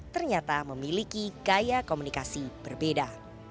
ternyata memiliki gaya komunikasi berbeda